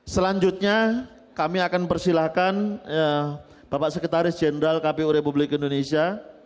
selanjutnya kami akan persilahkan bapak sekretaris jenderal kpu republik indonesia